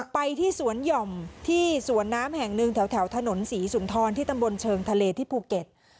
ไปที่สวนหย่อมที่สวนน้ำแห่งหนึ่งแถวถนนศรีสุนทรที่ตำบลเชิงทะเลที่ภูเก็ต